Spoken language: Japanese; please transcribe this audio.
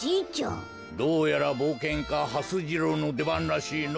どうやらぼうけんかはす次郎のでばんらしいの。